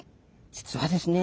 実はですね